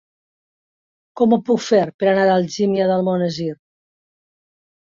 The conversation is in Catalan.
Com ho puc fer per anar a Algímia d'Almonesir?